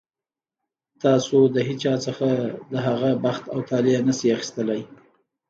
تاسو د هېچا څخه د هغه بخت او طالع نه شئ اخیستلی.